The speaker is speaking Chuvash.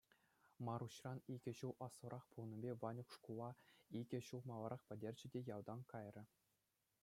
Маруҫран икӗ ҫул аслӑрах пулнипе Ванюк шкула икӗ ҫул маларах пӗтерчӗ те ялтан кайрӗ.